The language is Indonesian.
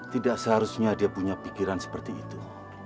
tidak seharusnya dia punya pikiran seperti itu